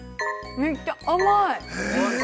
めっちゃ甘い。